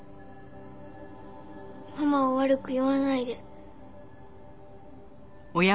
ママを悪く言わないで。